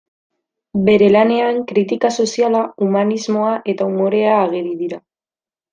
Beren lanean kritika soziala, humanismoa eta umorea ageri dira.